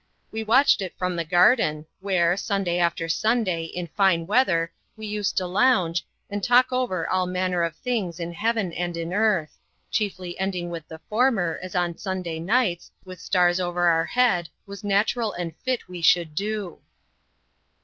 We watched it from the garden, where, Sunday after Sunday, in fine weather, we used to lounge, and talk over all manner of things in heaven and in earth, chiefly ending with the former, as on Sunday nights, with stars over our head, was natural and fit we should do.